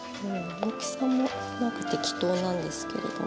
大きさもなんか適当なんですけれども。